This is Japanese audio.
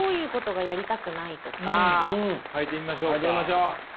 書いてみましょう。